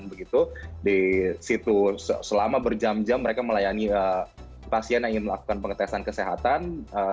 begitu di situ selama berjam jam mereka melayani pasien yang ingin melakukan pengetesan kesehatan